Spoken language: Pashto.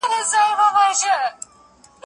لوبه د زهشوم له خوا کيږي،